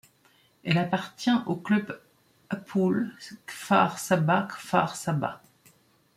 Elle appartient au club Hapoel Kfar Saba, Kfar Saba.